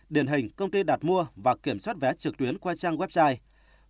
điển hình công ty đặt mua và kiểm soát vé trực tuyến qua trang website